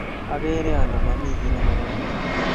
Agere ale mami kit nebo kamanut